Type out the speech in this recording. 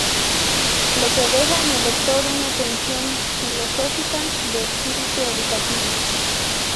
Lo que deja en el lector una tensión filosófica de espíritu educativo.